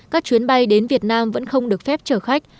các chuyến bay đến việt nam vẫn không được phép chở khách